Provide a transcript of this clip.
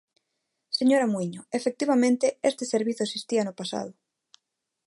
Señora Muíño, efectivamente, este servizo existía no pasado.